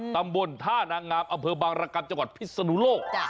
ตำบลท่านางงามอเผิกบารกรรมจังหวัดพิสันโลก